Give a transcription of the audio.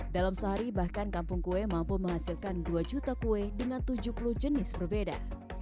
dalam sehari bahkan kampung kue mampu menghasilkan dua juta kue dengan tujuh puluh jenis berbeda